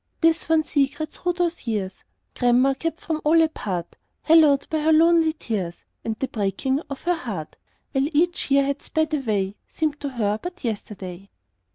This one secret through those years Grandma kept from all apart, Hallowed by her lonely tears And the breaking of her heart; While each year that sped away Seemed to her but yesterday.